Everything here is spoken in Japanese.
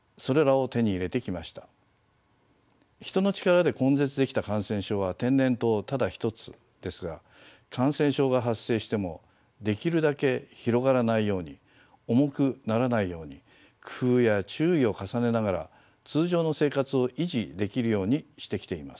人の力で根絶できた感染症は天然痘ただ一つですが感染症が発生してもできるだけ広がらないように重くならないように工夫や注意を重ねながら通常の生活を維持できるようにしてきています。